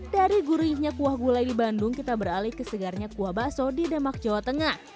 dari gurihnya kuah gulai di bandung kita beralih ke segarnya kuah bakso di demak jawa tengah